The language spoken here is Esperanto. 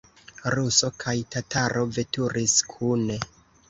Ruso kaj tataro veturis kune.